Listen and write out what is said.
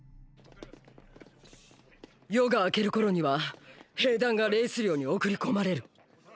夜が明ける頃には兵団がレイス領に送り込まれる。